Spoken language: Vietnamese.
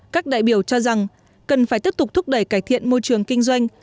các đại biểu cho rằng cần phải tiếp tục thúc đẩy cải thiện môi trường kinh doanh